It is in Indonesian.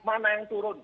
mana yang turun